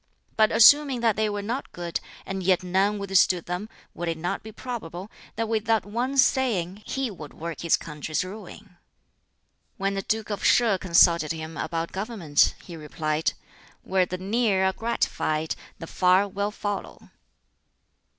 But assuming that they were not good, and yet none withstood them, would it not be probable that with that one saying he would work his country's ruin?" When the Duke of Sheh consulted him about government, he replied, "Where the near are gratified, the far will follow."